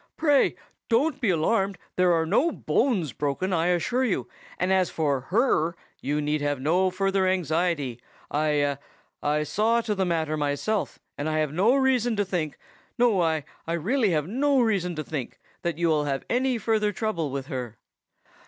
"Pray don't be alarmed! there are no bones broken, I assure you; and as for her, you need have no further anxiety. I—I saw to the matter myself, and I have no reason to think—no, I really have no reason to think that you will have any further trouble with her."